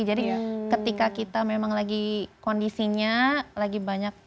jadi ketika kita memang lagi kondisinya lagi banyak faktornya